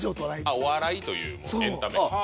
お笑いというエンタメ。